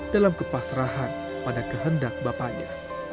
dalam kepasrahan pada kehendak bapaknya